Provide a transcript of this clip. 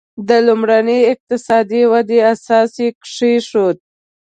د لومړنۍ اقتصادي ودې اساس یې کېښود.